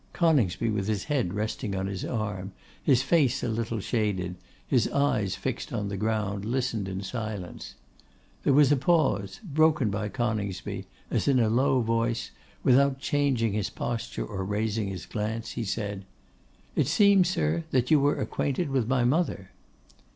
Coningsby, with his head resting on his arm, his face a little shaded, his eyes fixed on the ground, listened in silence. There was a pause; broken by Coningsby, as in a low voice, without changing his posture or raising his glance, he said, 'It seems, sir, that you were acquainted with my mother!